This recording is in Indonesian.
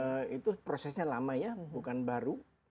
pada umurnya itu prosesnya lama ya bukan baru